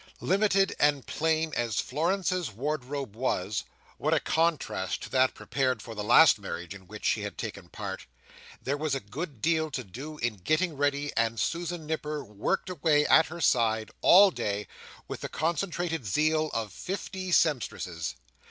Limited and plain as Florence's wardrobe was—what a contrast to that prepared for the last marriage in which she had taken part!—there was a good deal to do in getting it ready, and Susan Nipper worked away at her side, all day, with the concentrated zeal of fifty sempstresses.